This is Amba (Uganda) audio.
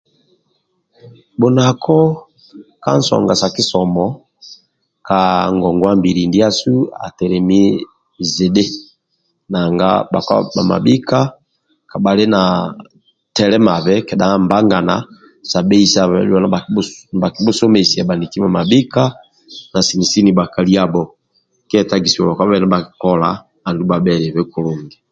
Bhunako ka nsonga sa kisomo ka ngongwa-mbili ndiasu atelemi zidhi nanga bhakpa bhamabhika kabhhali na telemabe kedha mbangana sa bheisabhobe dhuwa nibhakibhusomesiya bhaniki bhamabhika na sini-sini bhakaliabho akyetagisa bhakpa bhabhe na ndia bhakikola andulu bhabheliebe kulungi